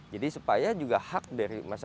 jadi supaya juga hak dari masyarakat sebuah negara